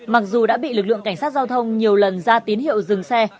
mặc dù đã bị lực lượng cảnh sát giao thông nhiều lần ra tín hiệu dừng xe